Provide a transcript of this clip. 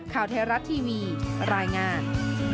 ข่าวไทยรัฐทีวีรายงาน